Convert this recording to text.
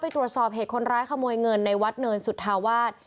ตรวจสอบเหตุคนร้ายขโมยเงินในวัดเนินสุธาวาส